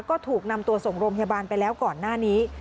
ก็ถูกนำตัวส่งโรงพยาบาลไปแล้วก่อนหน้านี้